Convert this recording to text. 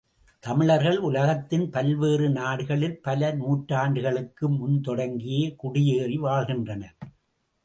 தமிழர்கள் உலகத்தின் பல்வேறு நாடுகளில் பல நூற்றாண்டுகளுக்கு முன்தொடங்கியே குடியேறி வாழ்கின்றனர்!